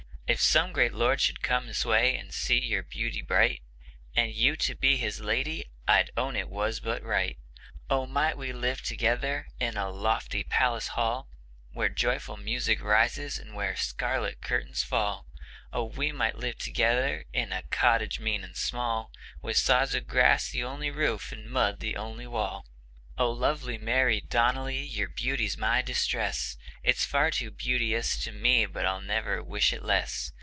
If some great lord should come this way, and see your beauty bright, And you to be his lady, I'd own it was but right. Oh, might we live together in a lofty palace hall, Where joyful music rises, and where scarlet curtains fall! Oh, might we live together in a cottage mean and small, With sods of grass the only roof, and mud the only wall! O lovely Mary Donnelly, your beauty's my distress: It's far too beauteous to be mine, but I'll never wish it less.